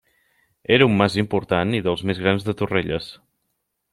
Era un mas important i dels més grans de Torrelles.